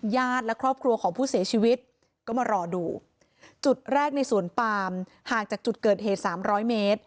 วางงั้นอัยแรกในสวนปามห่างจากจุดเกิดเหตุ๓๐๐เมตร